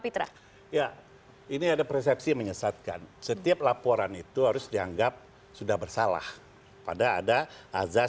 fitra ya ini ada persepsi menyesatkan setiap laporan itu harus dianggap sudah bersalah pada ada azaz